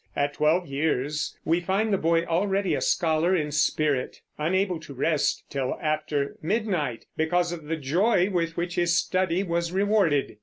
At twelve years we find the boy already a scholar in spirit, unable to rest till after midnight because of the joy with which his study was rewarded.